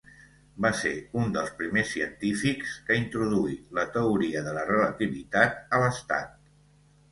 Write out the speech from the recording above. Va ser un dels primers científics que introduí la Teoria de la Relativitat a l'Estat.